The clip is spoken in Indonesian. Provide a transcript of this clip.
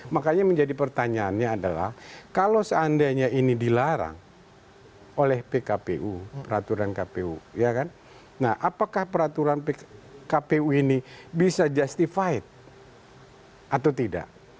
makanya menjadi pertanyaannya adalah kalau seandainya ini dilarang oleh pkpu peraturan kpu nah apakah peraturan kpu ini bisa justified atau tidak